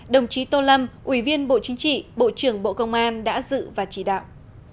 đồng chí tô lâm ủy viên bộ chính trị bộ trưởng bộ công an đã dự và chỉ đạo